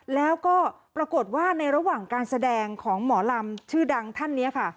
แล้วก็ปรากฏว่าในระหว่างการแสดงของหมอลำชื่อดังท่านนี้ค่ะ